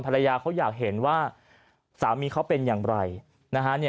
ภรรยาเขาอยากเห็นว่าสามีเขาเป็นอย่างไรนะฮะ